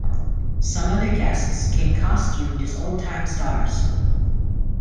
Some other guests came costumed as old-time stars.